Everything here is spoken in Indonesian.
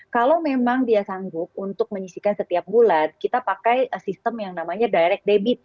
kalau memang dia sanggup untuk menyisikan setiap bulan kita pakai sistem yang namanya direct debit